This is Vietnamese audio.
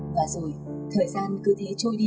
và rồi thời gian cứ thế trôi đi